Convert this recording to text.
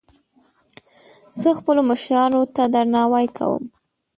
زه خپلو مشرانو ته درناوی کوم